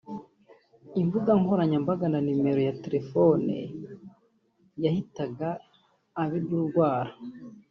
imbuga nkoranyambaga na nimero ya Telefone yahitaga abirya urwara